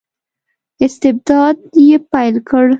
استبداد یې پیل کړ.